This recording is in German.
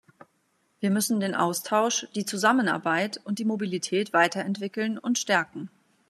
Wir müssen den Austausch, die Zusammenarbeit und die Mobilität weiterentwickeln und stärken.